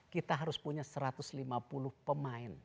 kita harus punya satu ratus lima puluh pemain